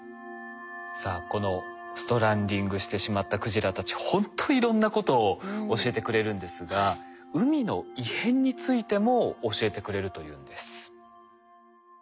さあこのストランディングしてしまったクジラたちほんといろんなことを教えてくれるんですが海の異変についても教えてくれるというんです。